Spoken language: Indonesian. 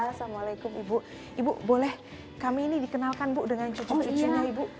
assalamualaikum ibu ibu boleh kami ini dikenalkan ibu dengan cucu cucunya ibu